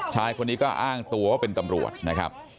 ชายคนนี้ก็อ้างตัวว่าเป็นตำรวจนะครับ